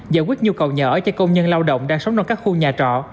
giải quyết nhu cầu nhà ở cho công nhân lao động đang sống trong các khu nhà trọ